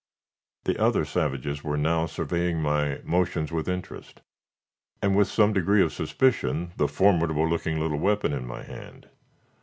The other savages were now surveying my motions with interest, and with some degree of suspicion the formidable looking little weapon in my hand.